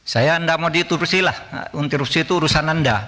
saya enggak mau diintrupsi lah intrupsi itu urusan anda